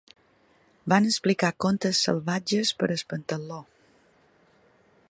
Van explicar contes salvatges per espantar-lo.